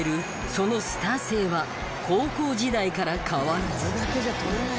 そのスター性は高校時代から変わらず。